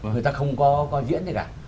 người ta không có diễn gì cả